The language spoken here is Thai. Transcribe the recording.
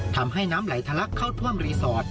ทำให้น้ำไหลทะลักเข้าท่วมรีสอร์ท